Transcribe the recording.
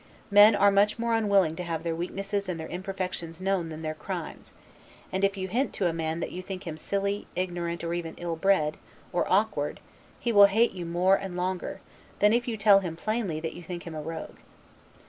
Men are much more unwilling to have their weaknesses and their imperfections known than their crimes; and if you hint to a man that you think him silly, ignorant, or even ill bred, or awkward, he will hate you more and longer, than if you tell him plainly, that you think him a rogue.